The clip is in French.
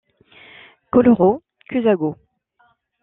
Colloro, Cuzzago.